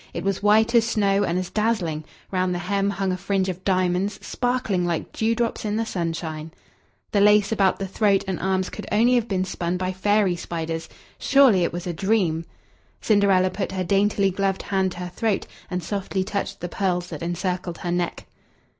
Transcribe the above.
It was white as snow, and as dazzling; round the hem hung a fringe of diamonds, sparkling like dew drops in the sunshine. The lace about the throat and arms could only have been spun by fairy spiders. Surely it was a dream! Cinderella put her daintily gloved hand to her throat, and softly touched the pearls that encircled her neck.